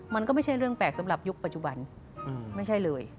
มันก็ไม่ใช่เรื่องแปลกสำหรับยุคปัจจุบันไม่ใช่เลย